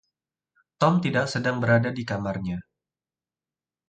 Tom tidak sedang berada di kamarnya.